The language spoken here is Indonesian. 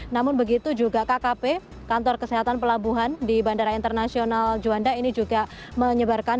namun begitu juga kkp kantor kesehatan pelabuhan di bandara internasional juanda ini juga menyebarkan